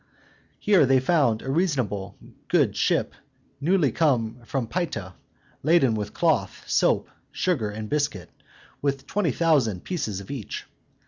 Here they found a reasonable good ship newly come from Payta, laden with cloth, soap, sugar, and biscuit, with 20,000 pieces of eight.